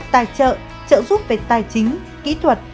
tài trợ trợ giúp về tài chính kỹ thuật